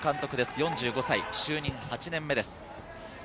４５歳、就任８年目です。